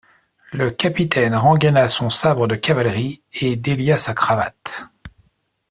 Le capitaine rengaina son sabre de cavalerie, et délia sa cravate.